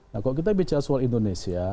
nah kalau kita bicara soal indonesia